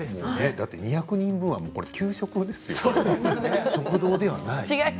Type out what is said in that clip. ２００人分は給食ですよね食堂ではない。